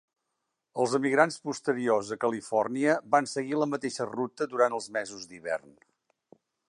Els emigrants posteriors a Califòrnia van seguir la mateixa ruta durant els mesos d'hivern.